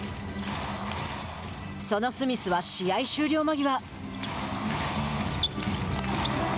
そのスミスは試合終了間際。